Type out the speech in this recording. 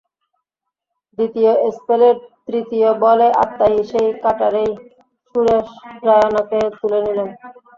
দ্বিতীয় স্পেলের তৃতীয় বলে আততায়ী সেই কাটারেই সুরেশ রায়নাকে তুলে নিলেন।